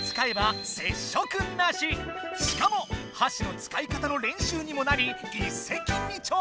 しかもはしの使い方の練習にもなり一石二鳥！